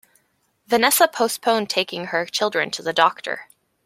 Vanessa postponed taking her children to the doctor.